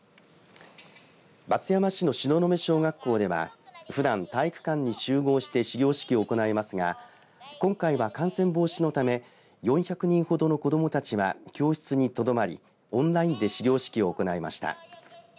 松山市の東雲小学校ではふだん、体育館に集合して始業式を行いますが今回は感染防止のため４００人ほどの子どもたちは教室にとどまりオンラインで始業式を行いました。